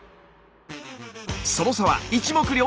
その差は一目瞭然。